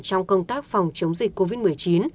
trong công tác phòng chống dịch covid một mươi chín